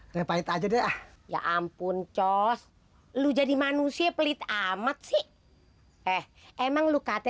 repalit aja deh ya ampun cos lu jadi manusia pelit amat sih eh emang luka hati